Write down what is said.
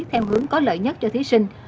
theo hướng có lợi nhất cho thí sinh